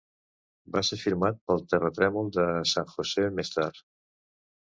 Va ser firmat pel terratrèmol de San José més tard.